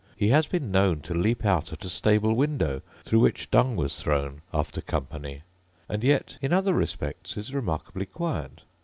He has been known to leap out at a stable window, through which dung was thrown, after company; and yet in other respects is remarkably quiet.